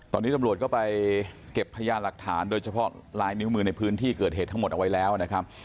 ตอนนี้ตำรวจก็ไปเก็บพยานหลักฐานโดยเฉพาะลายนิ้วมือในพื้นที่เกิดเหตุทั้งหมดเอาไว้แล้วนะครับ